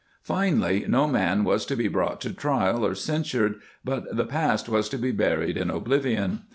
Finally, no man was to be brought to trial or censured, but the past was to be buried in oblivion.